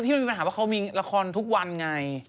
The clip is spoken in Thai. แต่ที่มันมีปัญหาบอกว่ามันโครงรายละครทุกวันไง